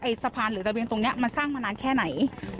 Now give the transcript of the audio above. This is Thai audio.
ไอ้สภาพหรือตะเบียงตรงนี้